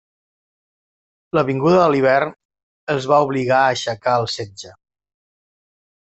La vinguda de l'hivern els va obligar a aixecar el setge.